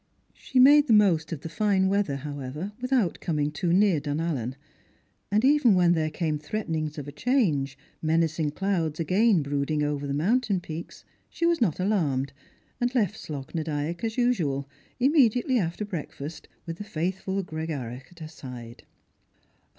She made the most of the fine weather, however, without coming too near Dunallen ; and even when there came threaten ings of a change, menacing clouds again brooding over the mountain peaks, she was not alarmed, and left Slogh na Dyack as usual, immediately after breakfast, with the faithful Gregarach at her side.